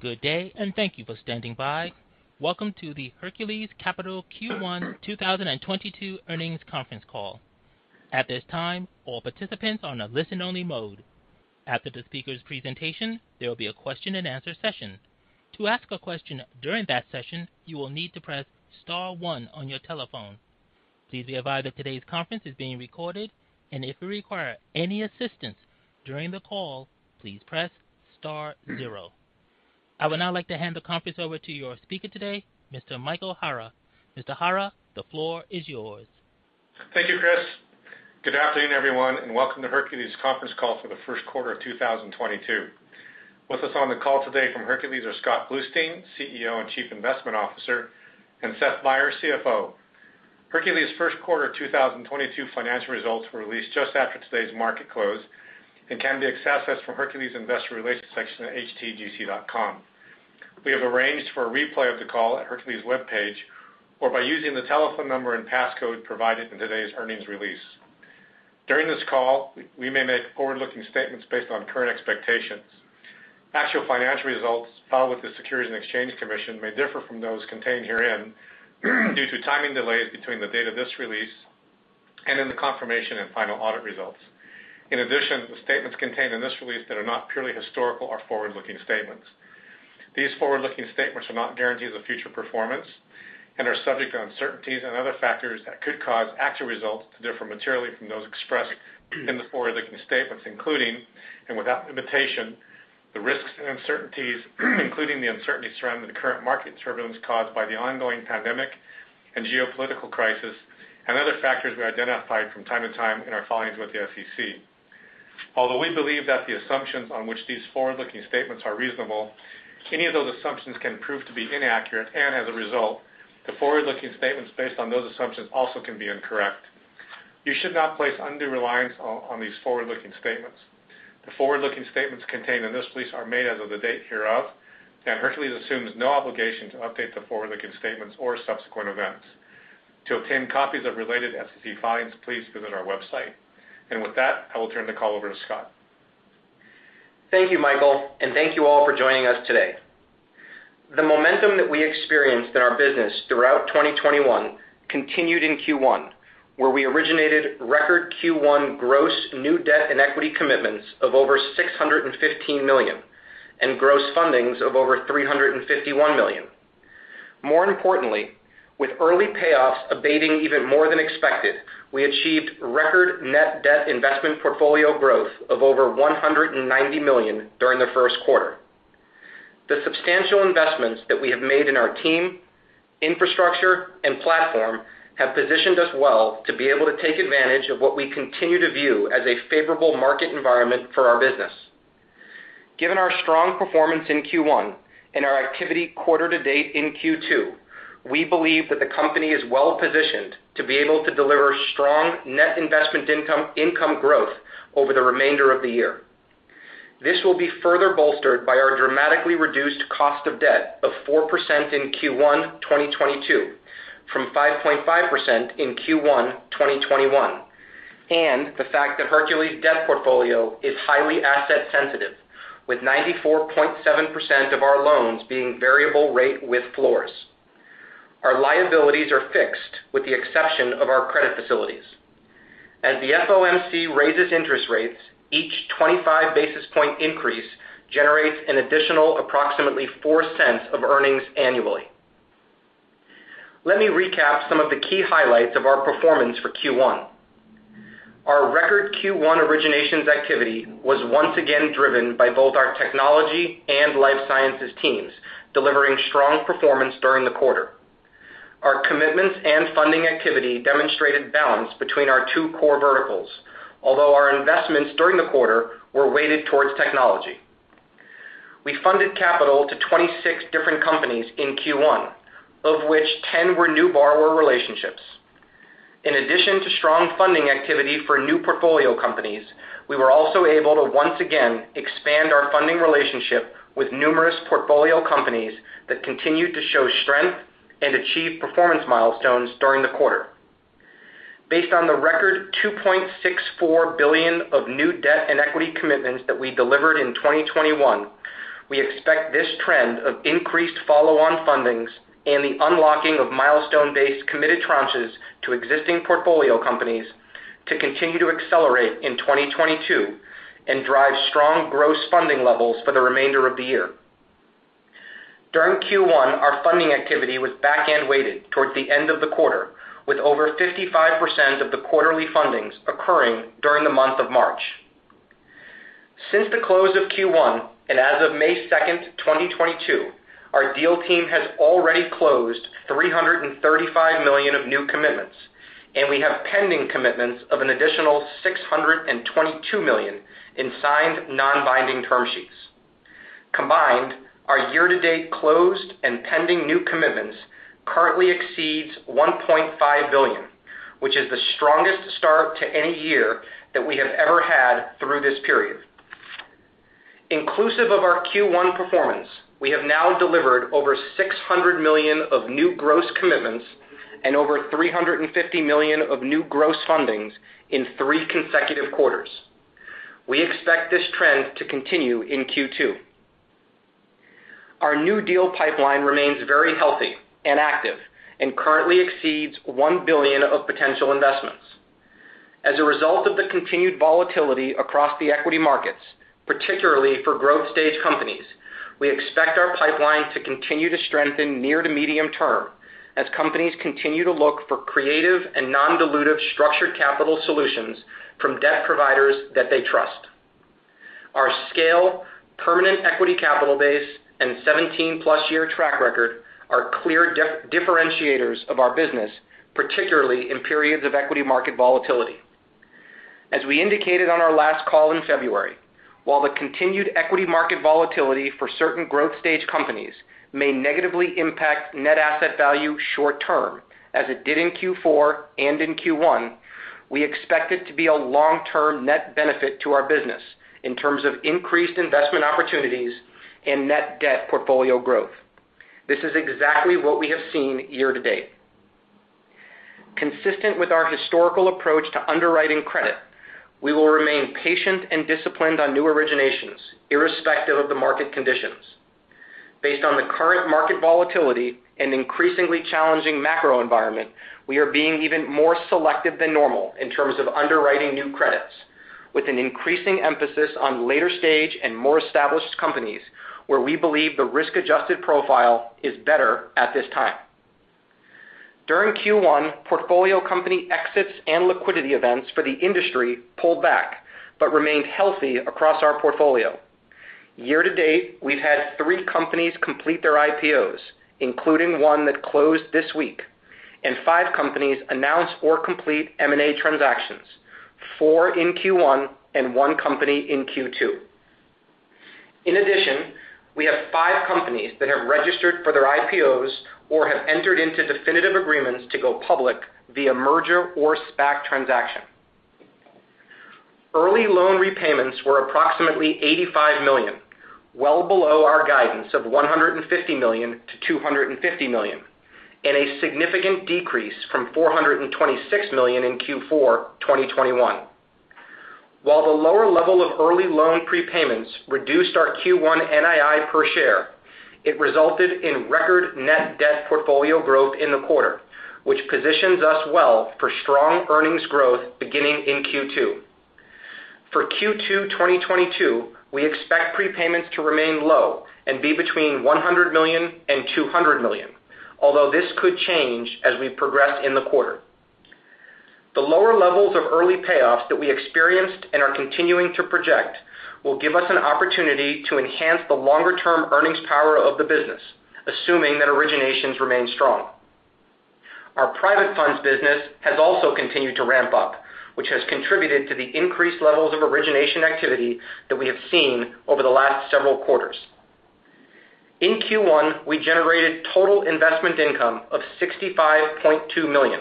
Good day, and thank you for standing by. Welcome to the Hercules Capital Q1 2022 Earnings Conference Call. At this time, all participants are on a listen-only mode. After the speaker's presentation, there will be a question-and-answer session. To ask a question during that session, you will need to press star one on your telephone. Please be advised that today's conference is being recorded, and if you require any assistance during the call, please press star zero. I would now like to hand the conference over to your speaker today, Mr. Michael Hara. Mr. Hara, the floor is yours. Thank you, Chris. Good afternoon, everyone, and welcome to Hercules conference call for the first quarter of 2022. With us on the call today from Hercules are Scott Bluestein, CEO and Chief Investment Officer, and Seth Meyer, CFO. Hercules first quarter 2022 financial results were released just after today's market close and can be accessed from Hercules investor relations section at htgc.com. We have arranged for a replay of the call at Hercules webpage or by using the telephone number and passcode provided in today's earnings release. During this call, we may make forward-looking statements based on current expectations. Actual financial results filed with the Securities and Exchange Commission may differ from those contained herein due to timing delays between the date of this release and the confirmation and final audit results. In addition, the statements contained in this release that are not purely historical are forward-looking statements. These forward-looking statements are not guarantees of future performance and are subject to uncertainties and other factors that could cause actual results to differ materially from those expressed in the forward-looking statements, including, and without limitation, the risks and uncertainties, including the uncertainty surrounding the current market turbulence caused by the ongoing pandemic and geopolitical crisis and other factors we identified from time to time in our filings with the SEC. Although we believe that the assumptions on which these forward-looking statements are reasonable, any of those assumptions can prove to be inaccurate, and as a result, the forward-looking statements based on those assumptions also can be incorrect. You should not place undue reliance on these forward-looking statements. The forward-looking statements contained in this release are made as of the date hereof, and Hercules assumes no obligation to update the forward-looking statements or subsequent events. To obtain copies of related SEC filings, please visit our website. With that, I will turn the call over to Scott. Thank you, Michael, and thank you all for joining us today. The momentum that we experienced in our business throughout 2021 continued in Q1, where we originated record Q1 gross new debt and equity commitments of over $615 million and gross fundings of over $351 million. More importantly, with early payoffs abating even more than expected, we achieved record net debt investment portfolio growth of over $190 million during the first quarter. The substantial investments that we have made in our team, infrastructure, and platform have positioned us well to be able to take advantage of what we continue to view as a favorable market environment for our business. Given our strong performance in Q1 and our activity quarter to date in Q2, we believe that the company is well-positioned to be able to deliver strong net investment income growth over the remainder of the year. This will be further bolstered by our dramatically reduced cost of debt of 4% in Q1 2022 from 5.5% in Q1 2021, and the fact that Hercules' debt portfolio is highly asset sensitive, with 94.7% of our loans being variable rate with floors. Our liabilities are fixed with the exception of our credit facilities. As the FOMC raises interest rates, each 25 basis point increase generates an additional approximately $0.04 of earnings annually. Let me recap some of the key highlights of our performance for Q1. Our record Q1 originations activity was once again driven by both our technology and life sciences teams, delivering strong performance during the quarter. Our commitments and funding activity demonstrated balance between our two core verticals. Although our investments during the quarter were weighted towards technology, we funded capital to 26 different companies in Q1, of which 10 were new borrower relationships. In addition to strong funding activity for new portfolio companies, we were also able to once again expand our funding relationship with numerous portfolio companies that continued to show strength and achieve performance milestones during the quarter. Based on the record $2.64 billion of new debt and equity commitments that we delivered in 2021, we expect this trend of increased follow-on fundings and the unlocking of milestone-based committed tranches to existing portfolio companies to continue to accelerate in 2022 and drive strong gross funding levels for the remainder of the year. During Q1, our funding activity was back-end weighted towards the end of the quarter with over 55% of the quarterly fundings occurring during the month of March. Since the close of Q1, and as of May 2nd, 2022, our deal team has already closed $335 million of new commitments, and we have pending commitments of an additional $622 million in signed non-binding term sheets. Combined, our year-to-date closed and pending new commitments currently exceeds $1.5 billion, which is the strongest start to any year that we have ever had through this period. Inclusive of our Q1 performance, we have now delivered over $600 million of new gross commitments and over $350 million of new gross fundings in three consecutive quarters. We expect this trend to continue in Q2. Our new deal pipeline remains very healthy and active and currently exceeds $1 billion of potential investments. As a result of the continued volatility across the equity markets, particularly for growth stage companies, we expect our pipeline to continue to strengthen near to medium term as companies continue to look for creative and non-dilutive structured capital solutions from debt providers that they trust. Our scale, permanent equity capital base, and 17+ year track record are clear differentiators of our business, particularly in periods of equity market volatility. As we indicated on our last call in February, while the continued equity market volatility for certain growth stage companies may negatively impact net asset value short term, as it did in Q4 and in Q1, we expect it to be a long-term net benefit to our business in terms of increased investment opportunities and net debt portfolio growth. This is exactly what we have seen year to date. Consistent with our historical approach to underwriting credit, we will remain patient and disciplined on new originations irrespective of the market conditions. Based on the current market volatility and increasingly challenging macro environment, we are being even more selective than normal in terms of underwriting new credits with an increasing emphasis on later stage and more established companies where we believe the risk-adjusted profile is better at this time. During Q1, portfolio company exits and liquidity events for the industry pulled back but remained healthy across our portfolio. Year to date, we've had three companies complete their IPOs, including one that closed this week, and five companies announce or complete M&A transactions, four in Q1 and one company in Q2. In addition, we have five companies that have registered for their IPOs or have entered into definitive agreements to go public via merger or SPAC transaction. Early loan repayments were approximately $85 million, well below our guidance of $150 million-$250 million, and a significant decrease from $426 million in Q4 2021. While the lower level of early loan prepayments reduced our Q1 NII per share, it resulted in record net debt portfolio growth in the quarter, which positions us well for strong earnings growth beginning in Q2. For Q2 2022, we expect prepayments to remain low and be between $100 million and $200 million, although this could change as we progress in the quarter. The lower levels of early payoffs that we experienced and are continuing to project will give us an opportunity to enhance the longer-term earnings power of the business, assuming that originations remain strong. Our private funds business has also continued to ramp up, which has contributed to the increased levels of origination activity that we have seen over the last several quarters. In Q1, we generated total investment income of $65.2 million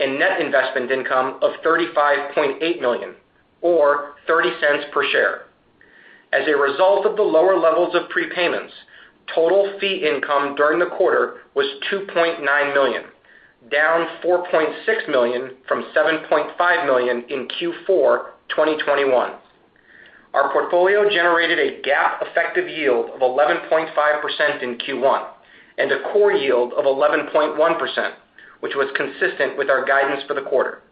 and net investment income of $35.8 million or $0.30 per share. As a result of the lower levels of prepayments, total fee income during the quarter was $2.9 million, down $4.6 million from $7.5 million in Q4 2021. Our portfolio generated a GAAP effective yield of 11.5% in Q1 and a core yield of 11.1%, which was consistent with our guidance for the quarter.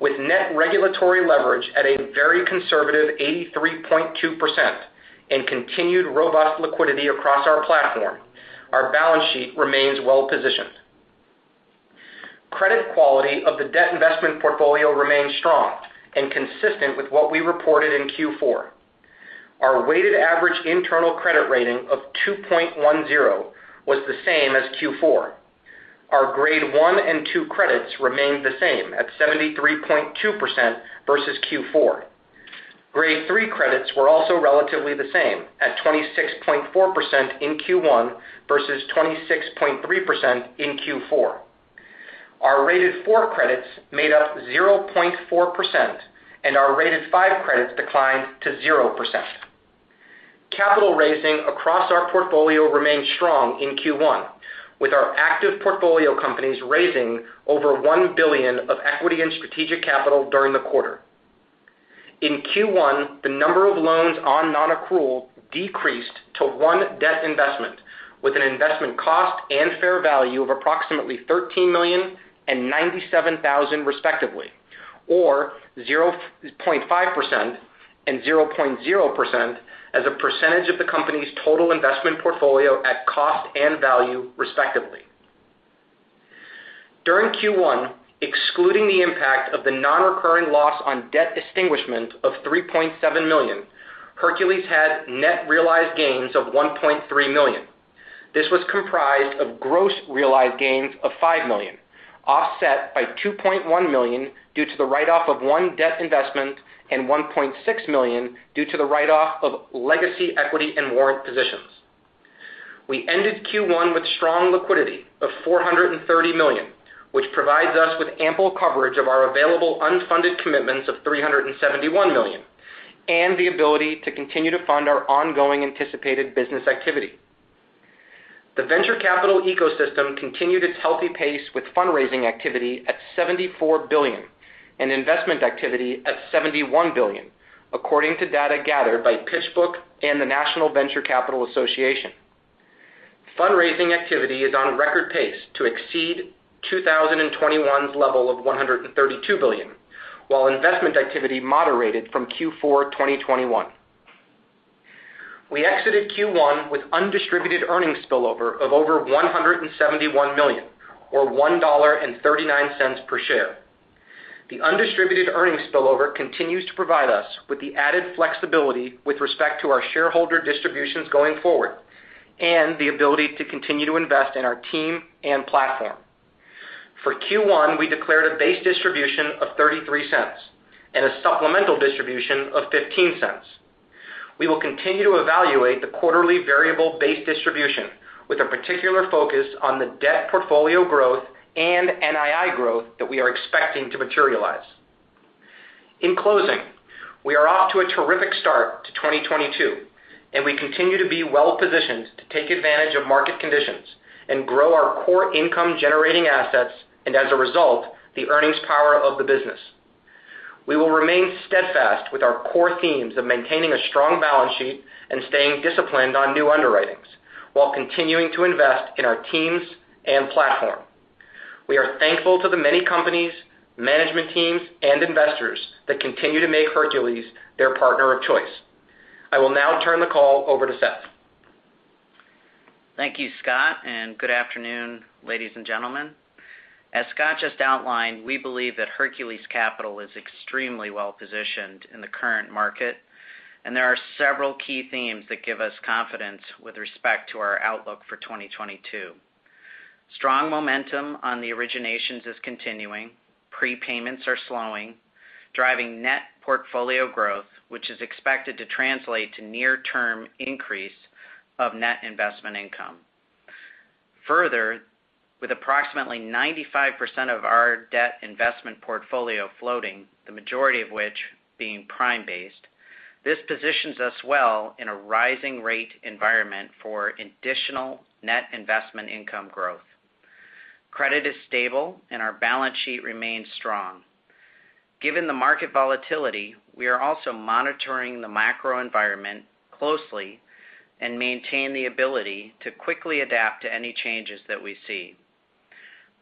With net regulatory leverage at a very conservative 83.2% and continued robust liquidity across our platform, our balance sheet remains well positioned. Credit quality of the debt investment portfolio remains strong and consistent with what we reported in Q4. Our weighted average internal credit rating of 2.10 was the same as Q4. Our Grade 1 and 2 credits remained the same at 73.2% versus Q4. Grade three credits were also relatively the same at 26.4% in Q1 versus 26.3% in Q4. Our rated four credits made up 0.4%, and our rated five credits declined to 0%. Capital raising across our portfolio remained strong in Q1, with our active portfolio companies raising over $1 billion of equity and strategic capital during the quarter. In Q1, the number of loans on nonaccrual decreased to one debt investment with an investment cost and fair value of approximately $13 million and $97,000 respectively, or 0.5% and 0.0% as a percentage of the company's total investment portfolio at cost and value respectively. During Q1, excluding the impact of the nonrecurring loss on debt extinguishment of $3.7 million, Hercules had net realized gains of $1.3 million. This was comprised of gross realized gains of $5 million, offset by $2.1 million due to the write-off of one debt investment and $1.6 million due to the write-off of legacy equity and warrant positions. We ended Q1 with strong liquidity of $430 million, which provides us with ample coverage of our available unfunded commitments of $371 million and the ability to continue to fund our ongoing anticipated business activity. The venture capital ecosystem continued its healthy pace with fundraising activity at $74 billion and investment activity at $71 billion, according to data gathered by PitchBook and the National Venture Capital Association. Fundraising activity is on record pace to exceed 2021's level of $132 billion, while investment activity moderated from Q4 2021. We exited Q1 with undistributed earnings spillover of over $171 million or $1.39 per share. The undistributed earnings spillover continues to provide us with the added flexibility with respect to our shareholder distributions going forward and the ability to continue to invest in our team and platform. For Q1, we declared a base distribution of $0.33 and a supplemental distribution of $0.15. We will continue to evaluate the quarterly variable base distribution with a particular focus on the debt portfolio growth and NII growth that we are expecting to materialize. In closing, we are off to a terrific start to 2022, and we continue to be well-positioned to take advantage of market conditions and grow our core income-generating assets and, as a result, the earnings power of the business. We will remain steadfast with our core themes of maintaining a strong balance sheet and staying disciplined on new underwritings while continuing to invest in our teams and platform. We are thankful to the many companies, management teams, and investors that continue to make Hercules their partner of choice. I will now turn the call over to Seth. Thank you, Scott, and good afternoon, ladies and gentlemen. As Scott just outlined, we believe that Hercules Capital is extremely well-positioned in the current market, and there are several key themes that give us confidence with respect to our outlook for 2022. Strong momentum on the originations is continuing, prepayments are slowing, driving net portfolio growth, which is expected to translate to near-term increase of net investment income. Further, with approximately 95% of our debt investment portfolio floating, the majority of which being prime-based, this positions us well in a rising rate environment for additional net investment income growth. Credit is stable, and our balance sheet remains strong. Given the market volatility, we are also monitoring the macro environment closely and maintain the ability to quickly adapt to any changes that we see.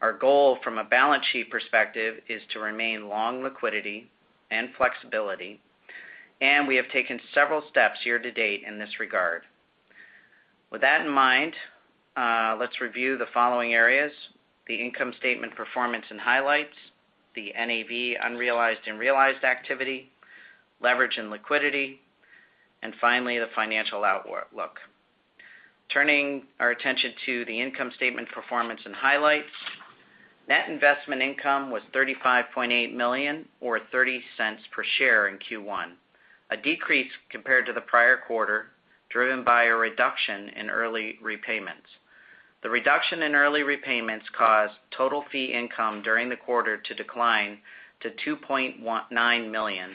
Our goal from a balance sheet perspective is to remain long liquidity and flexibility, and we have taken several steps year-to-date in this regard. With that in mind, let's review the following areas. The income statement performance and highlights, the NAV unrealized and realized activity, leverage and liquidity, and finally, the financial outlook. Turning our attention to the income statement performance and highlights. Net investment income was $35.8 million or $0.30 per share in Q1, a decrease compared to the prior quarter, driven by a reduction in early repayments. The reduction in early repayments caused total fee income during the quarter to decline to $2.9 million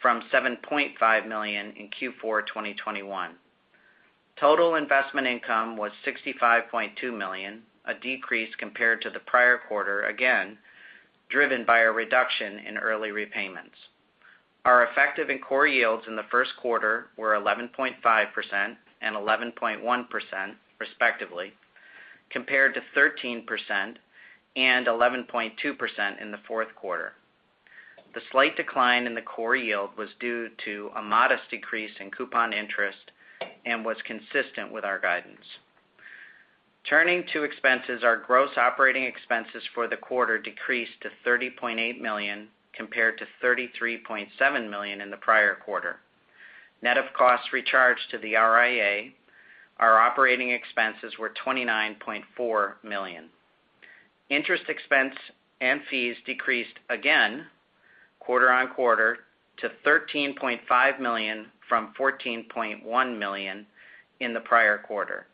from $7.5 million in Q4 2021. Total investment income was $65.2 million, a decrease compared to the prior quarter, again, driven by a reduction in early repayments. Our effective and core yields in the first quarter were 11.5% and 11.1% respectively, compared to 13% and 11.2% in the fourth quarter. The slight decline in the core yield was due to a modest decrease in coupon interest and was consistent with our guidance. Turning to expenses, our gross operating expenses for the quarter decreased to $30.8 million compared to $33.7 million in the prior quarter. Net of costs recharged to the RIA, our operating expenses were $29.4 million. Interest expense and fees decreased again quarter-over-quarter to $13.5 million from $14.1 million in the prior quarter.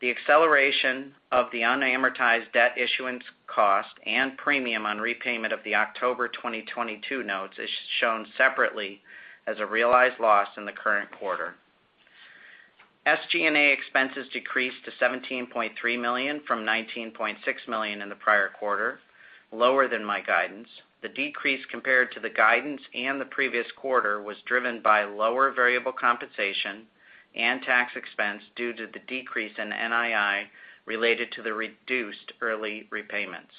The acceleration of the unamortized debt issuance cost and premium on repayment of the October 2022 notes is shown separately as a realized loss in the current quarter. SG&A expenses decreased to $17.3 million from $19.6 million in the prior quarter, lower than my guidance. The decrease compared to the guidance and the previous quarter was driven by lower variable compensation and tax expense due to the decrease in NII related to the reduced early repayments.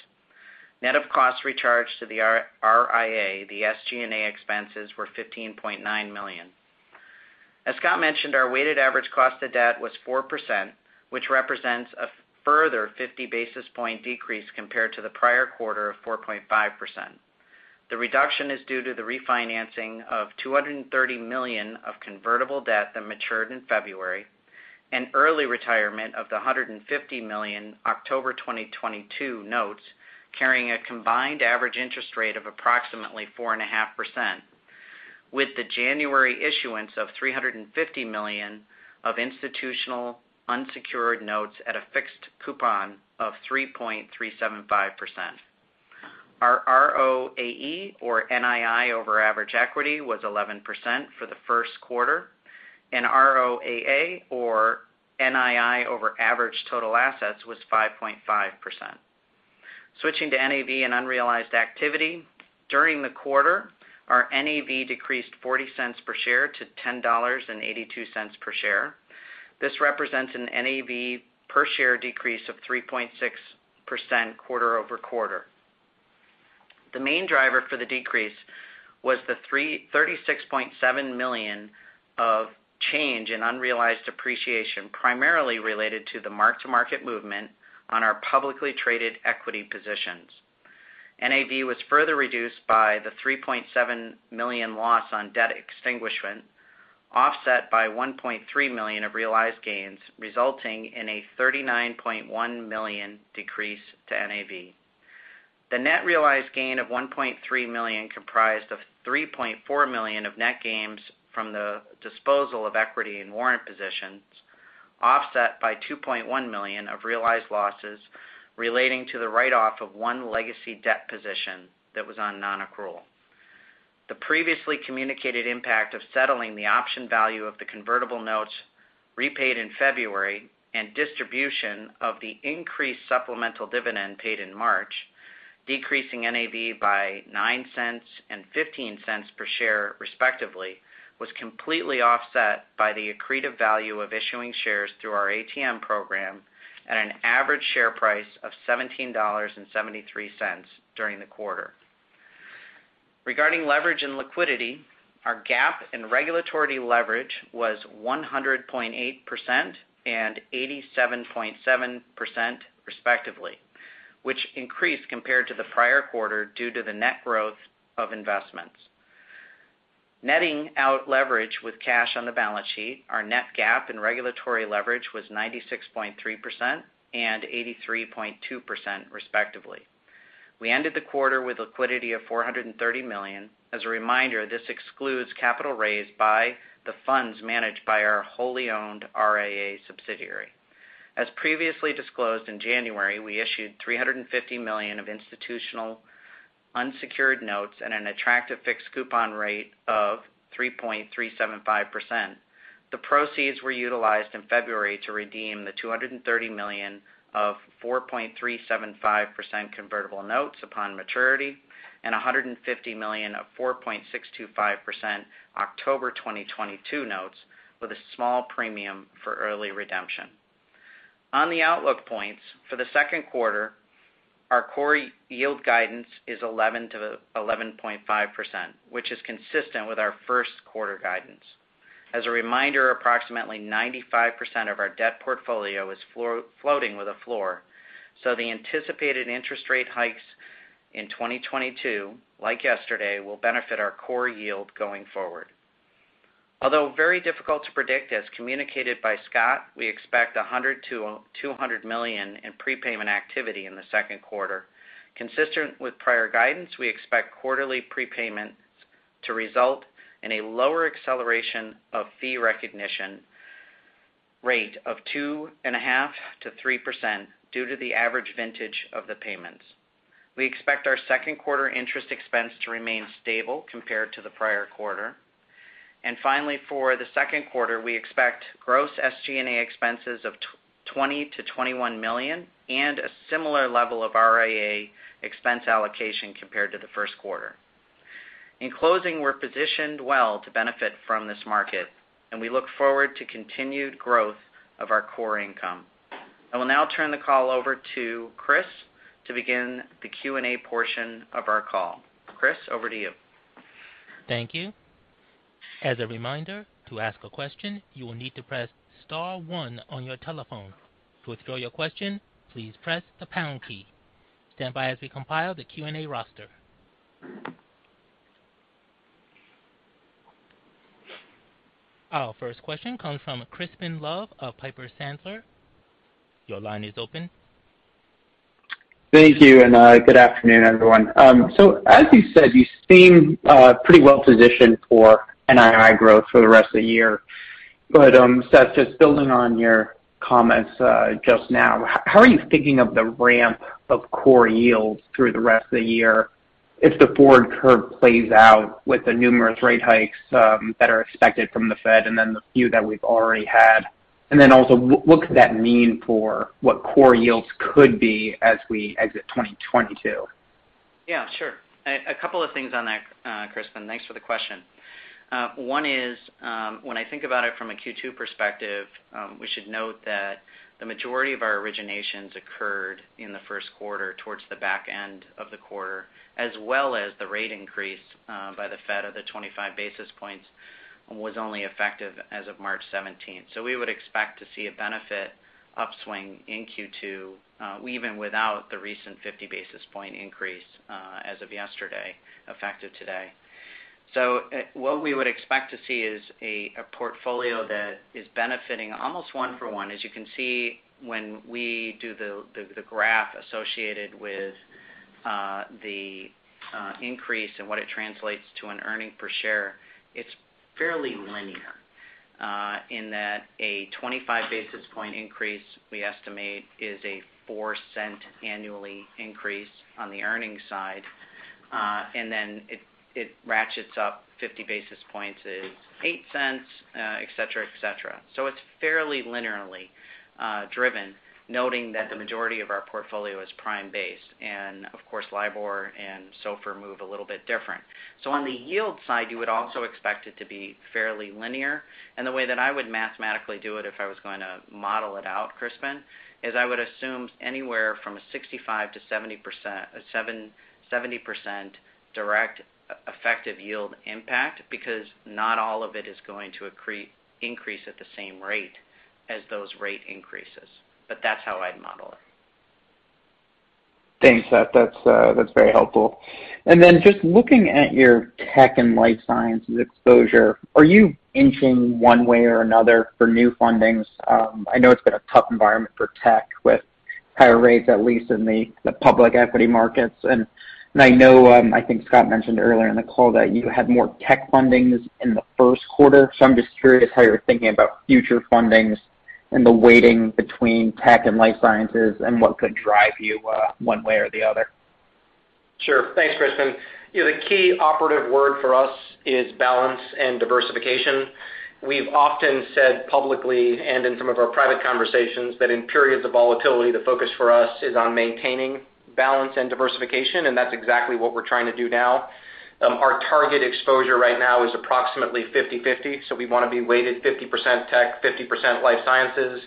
Net of costs recharged to the RIA, the SG&A expenses were $15.9 million. As Scott mentioned, our weighted average cost of debt was 4%, which represents a further 50 basis points decrease compared to the prior quarter of 4.5%. The reduction is due to the refinancing of $230 million of convertible debt that matured in February and early retirement of the $150 million October 2022 notes, carrying a combined average interest rate of approximately 4.5%, with the January issuance of $350 million of institutional unsecured notes at a fixed coupon of 3.375%. ROAE or NII over average equity was 11% for the first quarter, and ROAA or NII over average total assets was 5.5%. Switching to NAV and unrealized activity. During the quarter, our NAV decreased $0.40 per share to $10.82 per share. This represents an NAV per share decrease of 3.6% quarter-over-quarter. The main driver for the decrease was the $36.7 million of change in unrealized appreciation, primarily related to the mark-to-market movement on our publicly traded equity positions. NAV was further reduced by the $3.7 million loss on debt extinguishment, offset by $1.3 million of realized gains, resulting in a $39.1 million decrease to NAV. The net realized gain of $1.3 million comprised of $3.4 million of net gains from the disposal of equity and warrant positions, offset by $2.1 million of realized losses relating to the write-off of one legacy debt position that was on non-accrual. The previously communicated impact of settling the option value of the convertible notes repaid in February and distribution of the increased supplemental dividend paid in March, decreasing NAV by $0.09 and $0.15 per share, respectively, was completely offset by the accretive value of issuing shares through our ATM program at an average share price of $17.73 during the quarter. Regarding leverage and liquidity, our GAAP and regulatory leverage was 100.8% and 87.7% respectively, which increased compared to the prior quarter due to the net growth of investments. Netting out leverage with cash on the balance sheet, our net GAAP and regulatory leverage was 96.3% and 83.2% respectively. We ended the quarter with liquidity of $430 million. As a reminder, this excludes capital raised by the funds managed by our wholly owned RIA subsidiary. As previously disclosed in January, we issued $350 million of institutional unsecured notes at an attractive fixed coupon rate of 3.375%. The proceeds were utilized in February to redeem the $230 million of 4.375% convertible notes upon maturity and $150 million of 4.625% October 2022 notes with a small premium for early redemption. On the outlook points. For the second quarter, our core yield guidance is 11%-11.5%, which is consistent with our first quarter guidance. As a reminder, approximately 95% of our debt portfolio is floating with a floor, so the anticipated interest rate hikes in 2022, like yesterday, will benefit our core yield going forward. Although very difficult to predict, as communicated by Scott, we expect $100 million-$200 million in prepayment activity in the second quarter. Consistent with prior guidance, we expect quarterly prepayments to result in a lower acceleration of fee recognition rate of 2.5%-3% due to the average vintage of the payments. We expect our second quarter interest expense to remain stable compared to the prior quarter. Finally, for the second quarter, we expect gross SG&A expenses of $20 million-$21 million and a similar level of RAA expense allocation compared to the first quarter. In closing, we're positioned well to benefit from this market, and we look forward to continued growth of our core income. I will now turn the call over to Chris to begin the Q&A portion of our call. Chris, over to you. Thank you. As a reminder, to ask a question, you will need to press star one on your telephone. To withdraw your question, please press the pound key. Stand by as we compile the Q&A roster. Our first question comes from Crispin Love of Piper Sandler. Your line is open. Thank you, and good afternoon, everyone. As you said, you seem pretty well positioned for NII growth for the rest of the year. Seth, just building on your comments just now, how are you thinking of the ramp of core yields through the rest of the year if the forward curve plays out with the numerous rate hikes that are expected from the Fed and then the few that we've already had? Also, what could that mean for what core yields could be as we exit 2022? Yeah, sure. A couple of things on that, Crispin. Thanks for the question. One is, when I think about it from a Q2 perspective, we should note that the majority of our originations occurred in the first quarter towards the back end of the quarter, as well as the rate increase by the Fed of the 25 basis points was only effective as of March seventeenth. We would expect to see a benefit upswing in Q2, even without the recent 50 basis point increase as of yesterday, effective today. What we would expect to see is a portfolio that is benefiting almost one for one. As you can see when we do the graph associated with the increase and what it translates to in earnings per share, it's fairly linear. In that a 25 basis point increase, we estimate is a $0.04 annually increase on the earnings side. And then it ratchets up 50 basis points is $0.08, et cetera, et cetera. It's fairly linearly driven, noting that the majority of our portfolio is prime-based. Of course, LIBOR and SOFR move a little bit different. On the yield side, you would also expect it to be fairly linear. The way that I would mathematically do it if I was going to model it out, Crispin, is I would assume anywhere from a 65%-70% direct effective yield impact because not all of it is going to increase at the same rate as those rate increases. That's how I'd model it. Thanks, Seth. That's very helpful. Just looking at your tech and life sciences exposure, are you inching one way or another for new fundings? I know it's been a tough environment for tech with higher rates, at least in the public equity markets. I know I think Scott mentioned earlier in the call that you had more tech fundings in the first quarter. I'm just curious how you're thinking about future fundings and the weighting between tech and life sciences and what could drive you, one way or the other. Sure. Thanks, Crispin. You know, the key operative word for us is balance and diversification. We've often said publicly and in some of our private conversations that in periods of volatility, the focus for us is on maintaining balance and diversification, and that's exactly what we're trying to do now. Our target exposure right now is approximately 50/50, so we wanna be weighted 50% tech, 50% life sciences.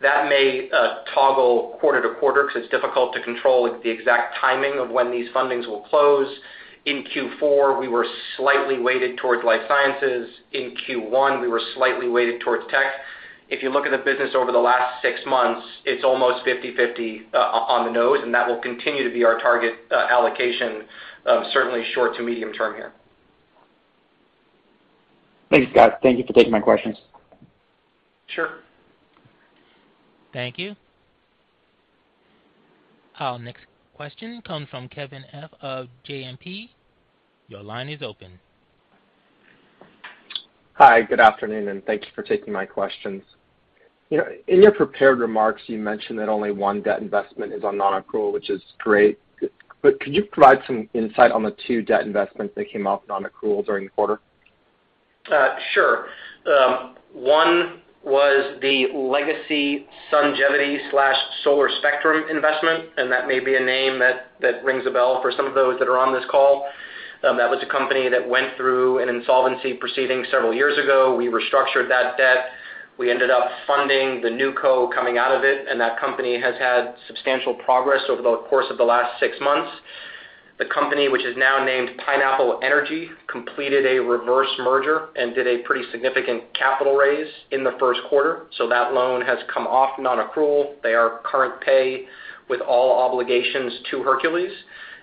That may toggle quarter to quarter because it's difficult to control the exact timing of when these fundings will close. In Q4, we were slightly weighted towards life sciences. In Q1, we were slightly weighted towards tech. If you look at the business over the last six months, it's almost 50/50 on the nose, and that will continue to be our target allocation, certainly short to medium term here. Thanks, Scott. Thank you for taking my questions. Sure. Thank you. Our next question comes from Kevin F. of JMP. Your line is open. Hi, good afternoon, and thank you for taking my questions. You know, in your prepared remarks, you mentioned that only one debt investment is on nonaccrual, which is great. Could you provide some insight on the two debt investments that came off nonaccrual during the quarter? One was the legacy Sungevity/Solar Spectrum investment, and that may be a name that rings a bell for some of those that are on this call. That was a company that went through an insolvency proceeding several years ago. We restructured that debt. We ended up funding the NewCo coming out of it, and that company has had substantial progress over the course of the last six months. The company, which is now named Pineapple Energy, completed a reverse merger and did a pretty significant capital raise in the first quarter. That loan has come off nonaccrual. They are current pay with all obligations to Hercules.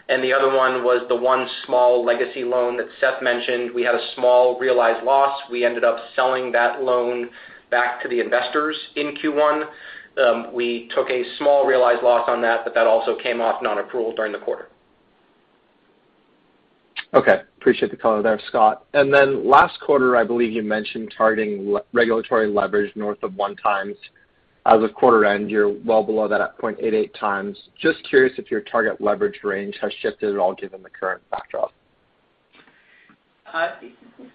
The other one was the one small legacy loan that Seth mentioned. We had a small realized loss. We ended up selling that loan back to the investors in Q1. We took a small realized loss on that, but that also came off nonaccrual during the quarter. Okay. Appreciate the color there, Scott. Last quarter, I believe you mentioned targeting regulatory leverage north of 1x As of quarter end, you're well below that at 0.88x. Just curious if your target leverage range has shifted at all given the current backdrop.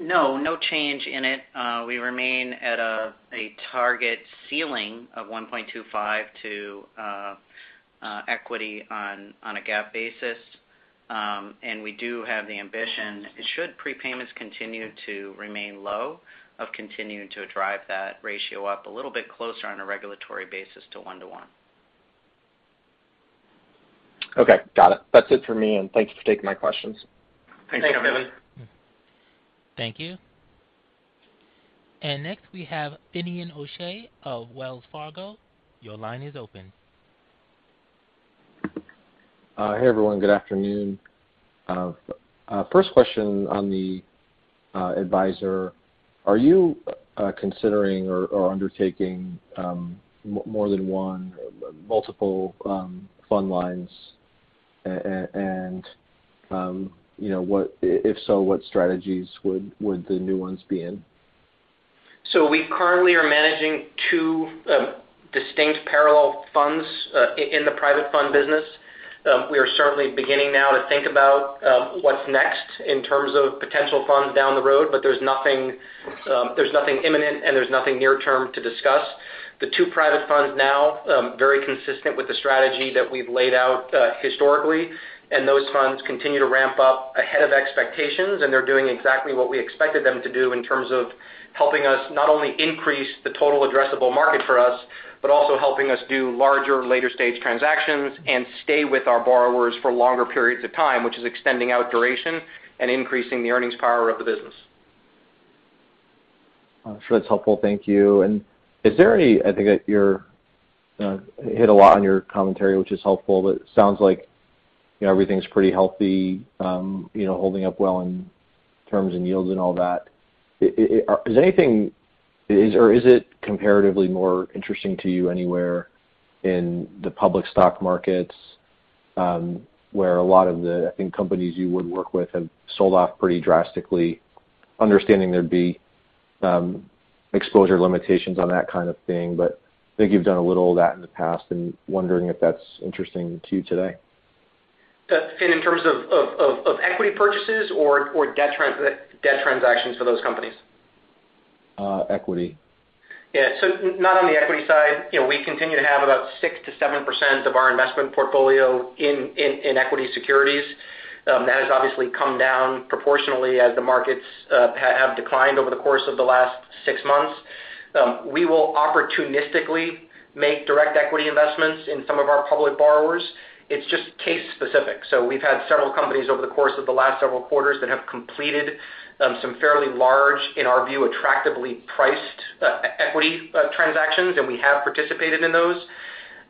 No change in it. We remain at a target ceiling of 1.25-to-1 equity on a GAAP basis. We do have the ambition, should prepayments continue to remain low, of continuing to drive that ratio up a little bit closer on a regulatory basis to 1-to-1. Okay. Got it. That's it for me, and thank you for taking my questions. Thanks, Kevin. Thanks, Kevin. Thank you. Next, we have Finian O'Shea of Wells Fargo. Your line is open. Hey, everyone. Good afternoon. First question on the advisor. Are you considering or undertaking multiple fund lines? You know, if so, what strategies would the new ones be in? We currently are managing two distinct parallel funds in the private fund business. We are certainly beginning now to think about what's next in terms of potential funds down the road, but there's nothing imminent, and there's nothing near term to discuss. The two private funds now very consistent with the strategy that we've laid out historically, and those funds continue to ramp up ahead of expectations, and they're doing exactly what we expected them to do in terms of helping us not only increase the total addressable market for us, but also helping us do larger later stage transactions and stay with our borrowers for longer periods of time, which is extending out duration and increasing the earnings power of the business. I'm sure that's helpful. Thank you. I think that you hit a lot on your commentary, which is helpful. It sounds like, you know, everything's pretty healthy, you know, holding up well in terms and yields and all that. Is anything or is it comparatively more interesting to you anywhere in the public stock markets? Where a lot of the, I think, companies you would work with have sold off pretty drastically, understanding there'd be exposure limitations on that kind of thing. I think you've done a little of that in the past and wondering if that's interesting to you today? Finn, in terms of equity purchases or debt transactions for those companies? Equity. Yeah. Not on the equity side. You know, we continue to have about 6%-7% of our investment portfolio in equity securities. That has obviously come down proportionally as the markets have declined over the course of the last six months. We will opportunistically make direct equity investments in some of our public borrowers. It's just case specific. We've had several companies over the course of the last several quarters that have completed some fairly large, in our view, attractively priced equity transactions, and we have participated in those.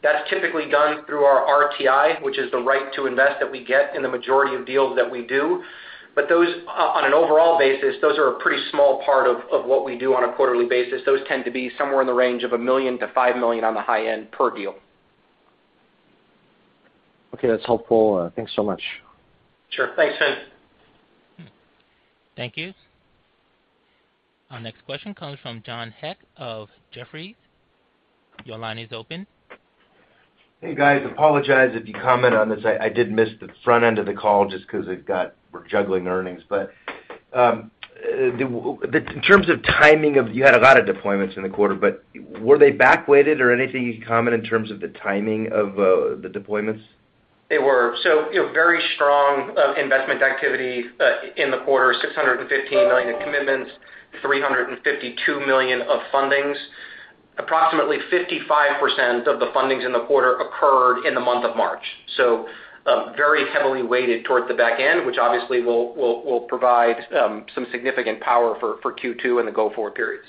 That's typically done through our RTI, which is the right to invest that we get in the majority of deals that we do. But those, on an overall basis, are a pretty small part of what we do on a quarterly basis. Those tend to be somewhere in the range of $1 million-$5 million on the high end per deal. Okay, that's helpful. Thanks so much. Sure. Thanks, Finn. Thank you. Our next question comes from John Hecht of Jefferies. Your line is open. Hey, guys. Apologies if you can comment on this. I did miss the front end of the call just because we're juggling earnings. In terms of timing, you had a lot of deployments in the quarter, but were they back-weighted or anything you could comment on in terms of the timing of the deployments? They were. You know, very strong investment activity in the quarter, $615 million in commitments, $352 million of fundings. Approximately 55% of the fundings in the quarter occurred in the month of March. Very heavily weighted toward the back end, which obviously will provide some significant power for Q2 and the go-forward periods.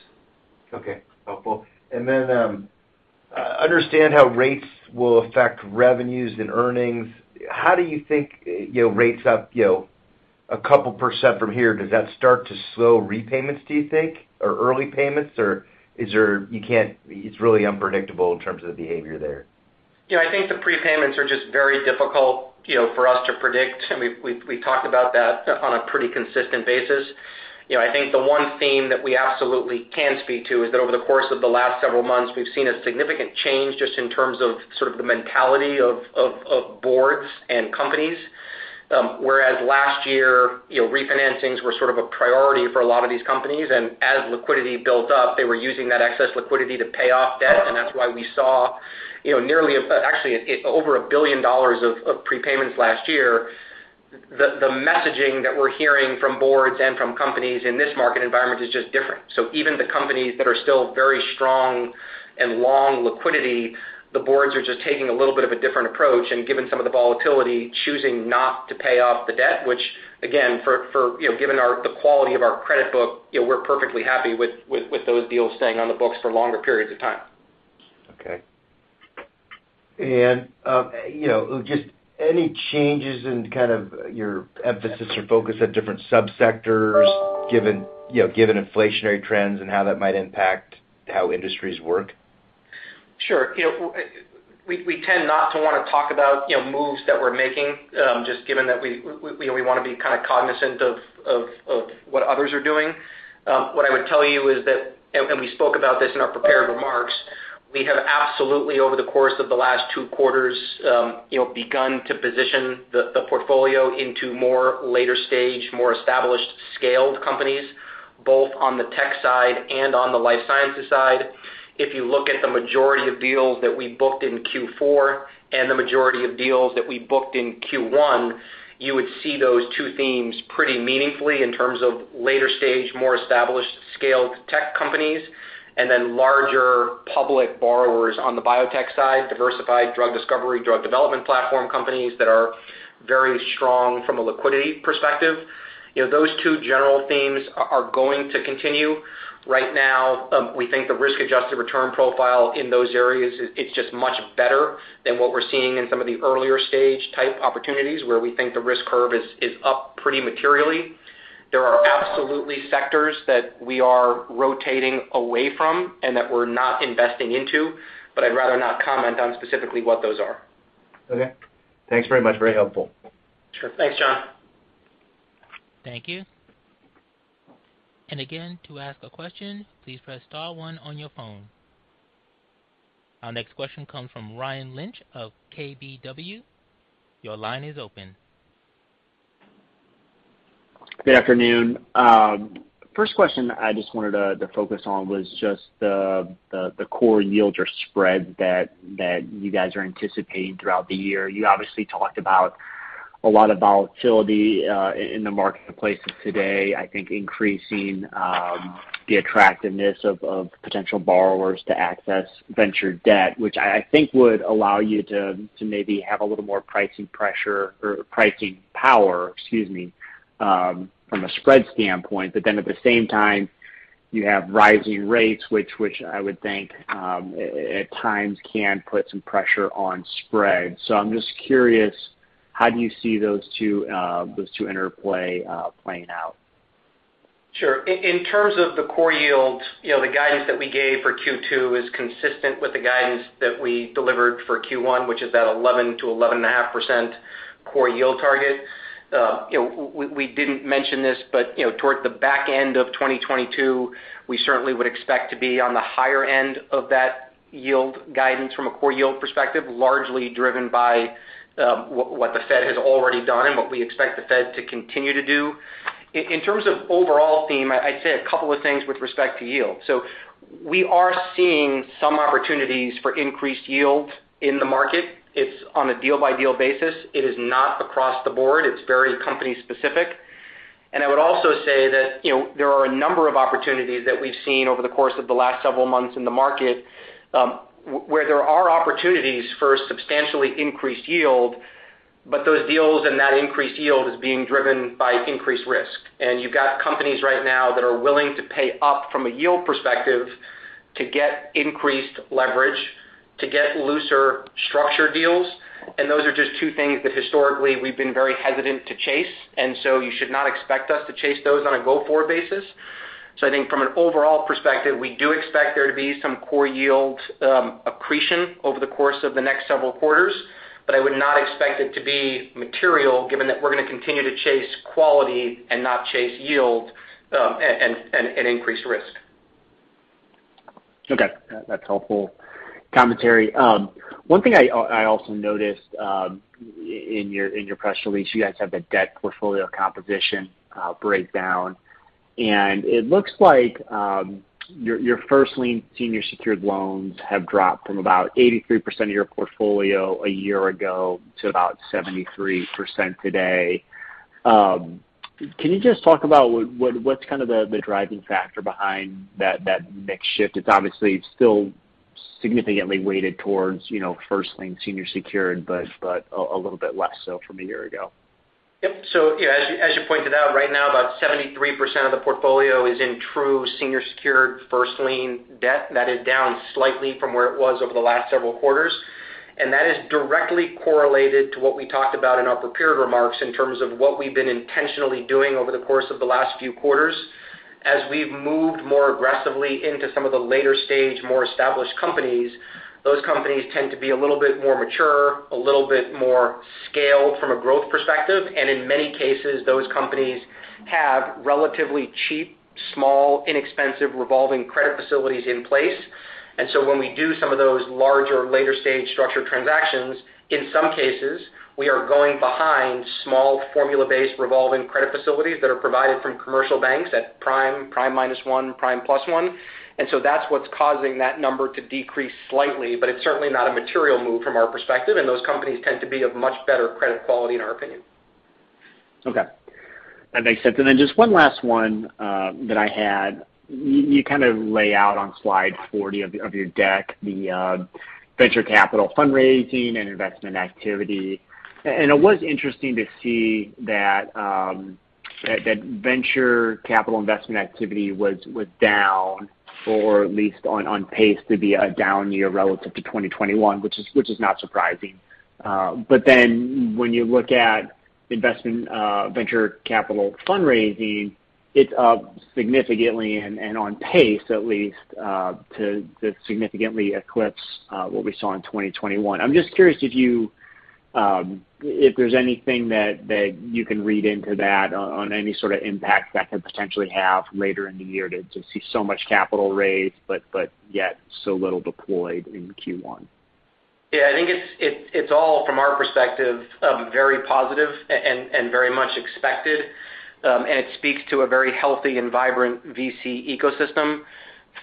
Okay. Helpful. Understand how rates will affect revenues and earnings, how do you think, you know, rates up, you know, a couple% from here, does that start to slow repayments, do you think, or early payments? Or it's really unpredictable in terms of the behavior there? You know, I think the prepayments are just very difficult, you know, for us to predict, and we've talked about that on a pretty consistent basis. You know, I think the one theme that we absolutely can speak to is that over the course of the last several months, we've seen a significant change just in terms of sort of the mentality of boards and companies. Whereas last year, you know, refinancings were sort of a priority for a lot of these companies, and as liquidity built up, they were using that excess liquidity to pay off debt. That's why we saw, you know, actually over $1 billion of prepayments last year. The messaging that we're hearing from boards and from companies in this market environment is just different. Even the companies that are still very strong and long liquidity, the boards are just taking a little bit of a different approach, and given some of the volatility, choosing not to pay off the debt, which again, you know, given the quality of our credit book, you know, we're perfectly happy with those deals staying on the books for longer periods of time. Okay. You know, just any changes in kind of your emphasis or focus at different subsectors given, you know, given inflationary trends and how that might impact how industries work? Sure. You know, we tend not to wanna talk about, you know, moves that we're making, just given that we you know we wanna be kind of cognizant of what others are doing. What I would tell you is that we spoke about this in our prepared remarks. We have absolutely over the course of the last two quarters, you know, begun to position the portfolio into more later stage, more established scaled companies, both on the tech side and on the life sciences side. If you look at the majority of deals that we booked in Q4 and the majority of deals that we booked in Q1, you would see those two themes pretty meaningfully in terms of later stage, more established scaled tech companies and then larger public borrowers on the biotech side, diversified drug discovery, drug development platform companies that are very strong from a liquidity perspective. You know, those two general themes are going to continue. Right now, we think the risk-adjusted return profile in those areas, it's just much better than what we're seeing in some of the earlier stage type opportunities where we think the risk curve is up pretty materially. There are absolutely sectors that we are rotating away from and that we're not investing into, but I'd rather not comment on specifically what those are. Okay. Thanks very much. Very helpful. Sure. Thanks, John. Thank you. Again, to ask a question, please press star one on your phone. Our next question comes from Ryan Lynch of KBW. Your line is open. Good afternoon. First question I just wanted to focus on was just the core yields or spreads that you guys are anticipating throughout the year. You obviously talked about a lot of volatility in the marketplace of today, I think increasing the attractiveness of potential borrowers to access venture debt, which I think would allow you to maybe have a little more pricing pressure or pricing power, excuse me, from a spread standpoint. At the same time, you have rising rates, which I would think at times can put some pressure on spreads. I'm just curious, how do you see those two interplay playing out? Sure. In terms of the core yields, you know, the guidance that we gave for Q2 is consistent with the guidance that we delivered for Q1, which is that 11%-11.5% core yield target. You know, we didn't mention this, but, you know, toward the back end of 2022, we certainly would expect to be on the higher end of that yield guidance from a core yield perspective, largely driven by what the Fed has already done and what we expect the Fed to continue to do. In terms of overall theme, I'd say a couple of things with respect to yield. We are seeing some opportunities for increased yield in the market. It's on a deal by deal basis. It is not across the board. It's very company specific. I would also say that, you know, there are a number of opportunities that we've seen over the course of the last several months in the market, where there are opportunities for substantially increased yield, but those deals and that increased yield is being driven by increased risk. You've got companies right now that are willing to pay up from a yield perspective to get increased leverage, to get looser structured deals. Those are just two things that historically we've been very hesitant to chase. You should not expect us to chase those on a go-forward basis. I think from an overall perspective, we do expect there to be some core yield accretion over the course of the next several quarters. I would not expect it to be material given that we're gonna continue to chase quality and not chase yield, and increased risk. Okay. That's helpful commentary. One thing I also noticed in your press release, you guys have the debt portfolio composition breakdown. It looks like your first lien senior secured loans have dropped from about 83% of your portfolio a year ago to about 73% today. Can you just talk about what's kind of the driving factor behind that mix shift? It's obviously still significantly weighted towards, you know, first lien senior secured, but a little bit less so from a year ago. Yeah, as you pointed out, right now about 73% of the portfolio is in true senior secured first lien debt. That is down slightly from where it was over the last several quarters. That is directly correlated to what we talked about in our prepared remarks in terms of what we've been intentionally doing over the course of the last few quarters. As we've moved more aggressively into some of the later stage, more established companies, those companies tend to be a little bit more mature, a little bit more scaled from a growth perspective, and in many cases, those companies have relatively cheap, small, inexpensive revolving credit facilities in place. When we do some of those larger, later stage structured transactions, in some cases, we are going behind small formula-based revolving credit facilities that are provided from commercial banks at prime -1, prime +1. That's what's causing that number to decrease slightly, but it's certainly not a material move from our perspective, and those companies tend to be of much better credit quality in our opinion. Okay. That makes sense. Just one last one that I had. You kind of lay out on slide 40 of your deck the venture capital fundraising and investment activity. It was interesting to see that venture capital investment activity was down, at least on pace to be a down year relative to 2021, which is not surprising. When you look at investment, venture capital fundraising, it's up significantly and on pace at least to significantly eclipse what we saw in 2021. I'm just curious if there's anything that you can read into that on any sort of impact that could potentially have later in the year to see so much capital raised, but yet so little deployed in Q1. Yeah. I think it's all from our perspective very positive and very much expected. It speaks to a very healthy and vibrant VC ecosystem.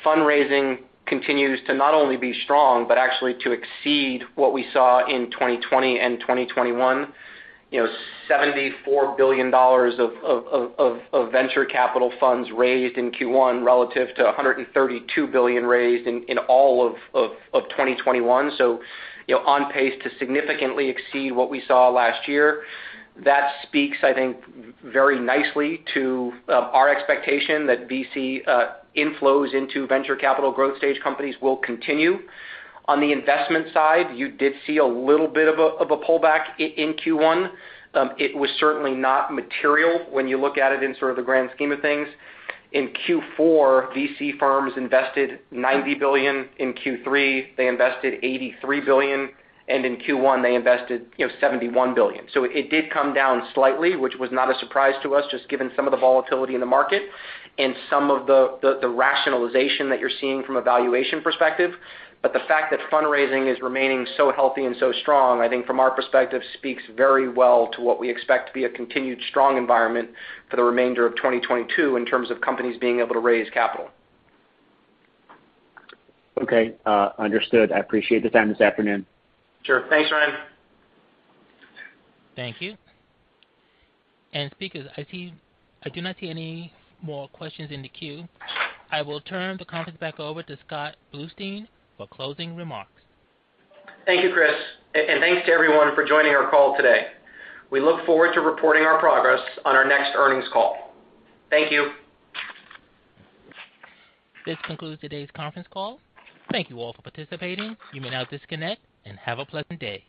Fundraising continues to not only be strong, but actually to exceed what we saw in 2020 and 2021. You know, $74 billion of venture capital funds raised in Q1 relative to $132 billion raised in all of 2021. You know, on pace to significantly exceed what we saw last year. That speaks, I think, very nicely to our expectation that VC inflows into venture capital growth stage companies will continue. On the investment side, you did see a little bit of a pullback in Q1. It was certainly not material when you look at it in sort of the grand scheme of things. In Q4, VC firms invested $90 billion. In Q3, they invested $83 billion, and in Q1, they invested, you know, $71 billion. It did come down slightly, which was not a surprise to us, just given some of the volatility in the market and some of the rationalization that you're seeing from a valuation perspective. The fact that fundraising is remaining so healthy and so strong, I think from our perspective, speaks very well to what we expect to be a continued strong environment for the remainder of 2022 in terms of companies being able to raise capital. Okay. Understood. I appreciate the time this afternoon. Sure. Thanks, Ryan. Thank you. Speakers, I do not see any more questions in the queue. I will turn the conference back over to Scott Bluestein for closing remarks. Thank you, Chris. Thanks to everyone for joining our call today. We look forward to reporting our progress on our next earnings call. Thank you. This concludes today's conference call. Thank you all for participating. You may now disconnect and have a pleasant day.